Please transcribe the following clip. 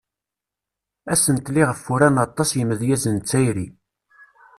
Asentel iɣef uran fell-as aṭas yimedyazen d tayri.